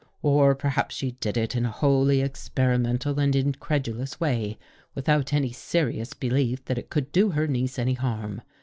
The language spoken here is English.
Or, perhaps she did it in a wholly ex perimental and incredulous way, without any serious belief that it could do her niece any harm.